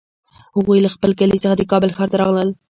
هغوی له خپل کلي څخه د کابل ښار ته راغلل